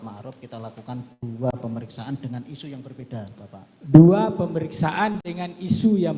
maharuf kita lakukan dua pemeriksaan dengan isu yang berbeda berbeda pemeriksaan dengan isu yang